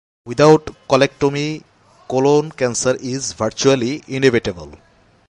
Without colectomy, colon cancer is virtually inevitable.